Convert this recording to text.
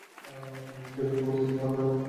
ঈশ্বরী, তুমি উত্তেজিত হবে না।